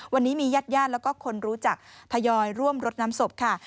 วันนี้มีญาติญาติแล้วก็คนรู้จักทยอยร่วมรดน้ำศพค่ะ